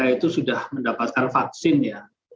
itu sudah mendapatkan vaksin ya